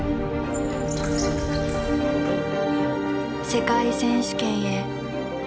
世界選手権へ。